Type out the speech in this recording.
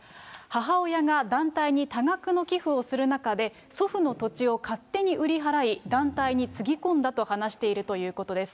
母親が団体に多額の寄付をする中で、祖父の土地を勝手に売り払い、団体につぎ込んだと話しているということです。